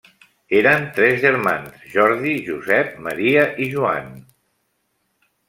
Eren tres germans, Jordi, Josep Maria i Joan.